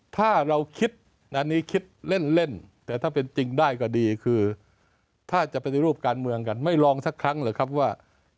ถ้าเราคิดอันนี้คิดเล่นแต่ถ้าเป็นจริงได้ก็ดีคือถ้าจะปฏิรูปการเมืองกันไม่ลองสักครั้งหรือครับว่า